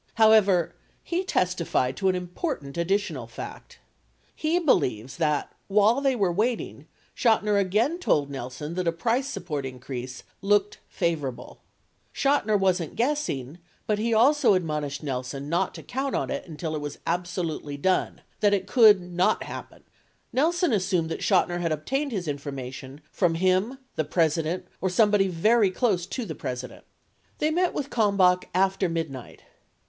However, he testified to an important additional fact: he believes that, while they were waiting, Chotiner again told Nelson that a price support increase :"... looked favorable ... [Chotiner] wasn't guessing, but he also admonished [Nelson] not to count on it until it v 7 as absolutely done, that it could not happen." 82 Nelson assumed that Chotiner had obtained his information "from him, the President, or somebody very close to the President." 83 They met with Kalmbach after midnight.